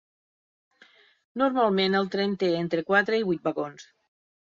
Normalment el tren té entre quatre i vuit vagons.